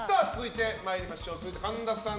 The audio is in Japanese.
続いて、神田さん。